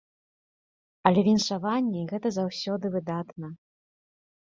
Але віншаванні гэта заўсёды выдатна.